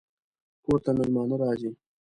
کور ته مېلمانه راځي